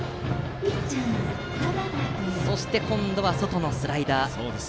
そして、今度は外のスライダー。